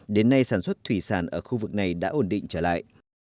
đến nay sản xuất thủy sản ở khu vực này đã ổn định trở lại